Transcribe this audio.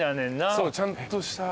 そうちゃんとした。